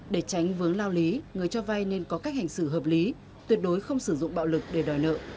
để tránh vướng lao lý người cho vay nên có cách hành xử hợp lý tuyệt đối không sử dụng bạo lực để đòi nợ